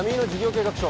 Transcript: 計画書